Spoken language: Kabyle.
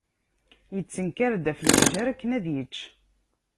Yettenkar-d ɣef lefjer akken ad yečč.